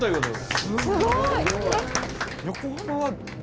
すごい！